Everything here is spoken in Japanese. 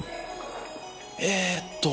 えっと。